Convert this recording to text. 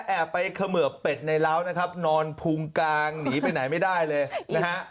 แอบไปเขมือบเป็ดในร้าวนะครับนอนพุงกางหนีไปไหนไม่ได้เลยนะฮะ